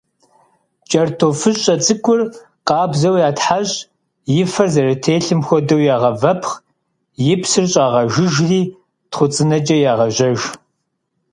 Кӏэртӏофыщӏэ цӏыкӏур къабзэу ятхьэщӏ, и фэр зэрытелъым хуэдэу ягъэвэпхъ, и псыр щӏагъэжыжри тхъуцӏынэкӏэ ягъэжьэж.